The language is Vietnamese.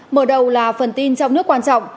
mở đầu là phần tin trong nước quan trọng